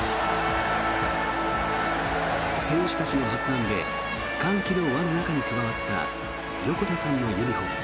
選手たちの発案で歓喜の輪の中に加わった横田さんのユニホーム。